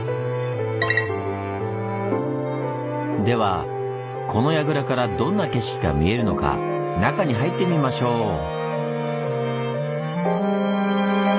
ではこの櫓からどんな景色が見えるのか中に入ってみましょう！